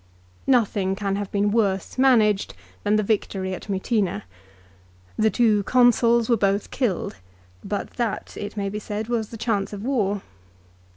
Nothing can have been worse managed than the victory at Mutina. The two Consuls were both killed, but that, it may be said, was the chance of war.